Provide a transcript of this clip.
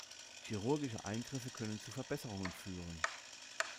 Chirurgische Eingriffe können zu Verbesserungen führen.